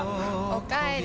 おかえり。